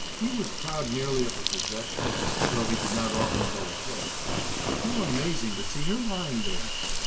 'He was proud merely of her possession, though he did not often go afloat. How amazing to see her lying there!